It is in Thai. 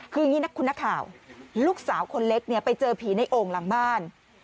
คืออย่างนี้นะคุณนักข่าวลูกสาวคนเล็กเนี่ยไปเจอผีในโอ่งหลังบ้าน